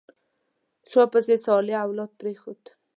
شا پسې صالح اولاد پرېښود.